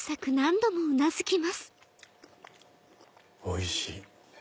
おいしい！